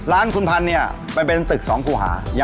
สวัสดีครับ